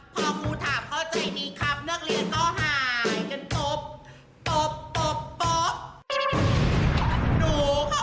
พอคู่ถาดเขาใจนี่ครับ